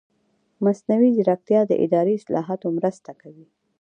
مصنوعي ځیرکتیا د اداري اصلاحاتو مرسته کوي.